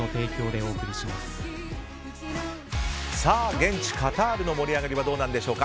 現地カタールの盛り上がりはどうなんでしょうか。